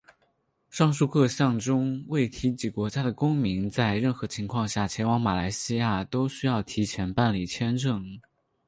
上述各项中未提及国家的公民在任何情况下前往马来西亚都需要提前办理签证。